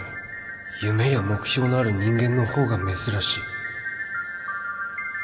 夢や目標のある人間の方が珍しい